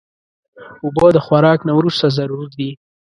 اوبه د خوراک نه وروسته ضرور دي.